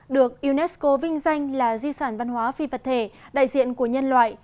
được unesco vinh danh là di sản văn hóa phi vật thể đại diện của nhân loại